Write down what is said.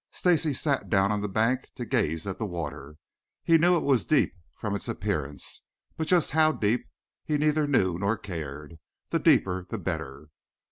Stacy sat down on the bank to gaze at the water. He knew it was deep from its appearance, but just how deep he neither knew nor cared. The deeper the better.